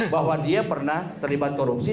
bahwa dia pernah terlibat korupsi